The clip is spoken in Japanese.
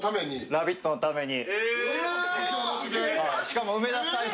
「ラヴィット！」のために。